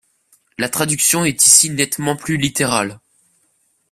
La traduction est ici nettement plus littérale.